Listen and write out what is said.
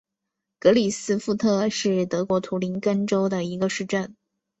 格里夫斯特是德国图林根州的一个市镇。